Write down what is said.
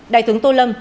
đại thướng tô lâm